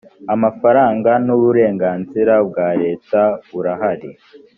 amafaranga n uburenganzira bwa leta buarahari